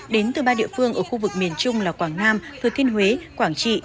đến từ ba địa phương ở khu vực miền trung là quảng nam thừa thiên huế quảng trị